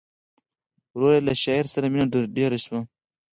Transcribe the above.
ورو ورو یې له شعر سره مینه ډېره شوه